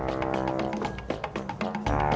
jalan raya utama